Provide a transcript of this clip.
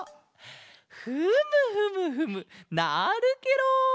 フムフムフムなるケロ！